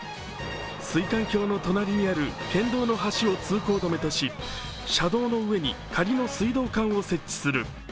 水管橋の隣にある県道の橋を通行止めとし車道の上に仮の水道管を設置する。